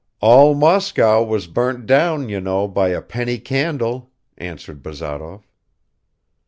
"All Moscow was burnt down, you know, by a penny candle," answered Bazarov.